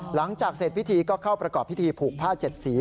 หลังจากเสร็จพิธีก็เข้าประกอบพิธีผูกผ้า๗สี